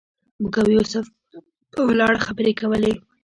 موږ او یوسف په ولاړه خبرې کولې.